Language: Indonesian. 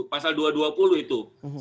pasal dua ratus dua puluh itu